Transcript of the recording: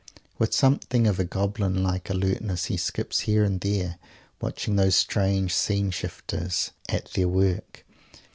With something of a goblin like alertness he skips here and there, watching those strange scene shifters at their work.